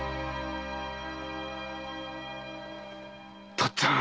父っつぁん！